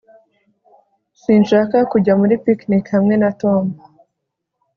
Sinshaka kujya muri picnic hamwe na Tom